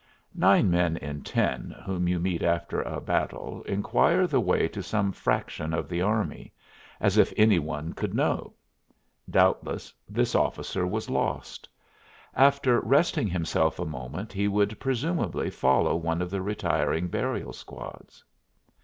Nine men in ten whom you meet after a battle inquire the way to some fraction of the army as if any one could know. Doubtless this officer was lost. After resting himself a moment he would presumably follow one of the retiring burial squads.